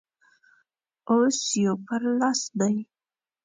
اوس يو پر لس دی.